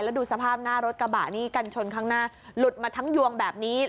แล้วดูสภาพหน้ารถกระบะนี่กันชนข้างหน้าหลุดมาทั้งยวงแบบนี้